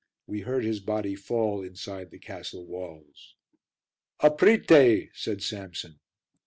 We heard his body fall inside the castle walls. "Aprite," said Samson.